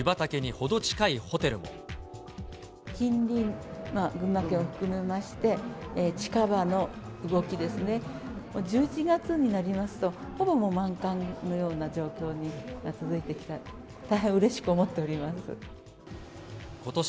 近隣、群馬県を含めまして、近場の動きですね、１１月になりますと、ほぼもう満館のような状況が続いてきて、大変うれしく思っておりことし